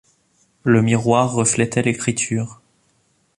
Le miroir reflétait l’écriture.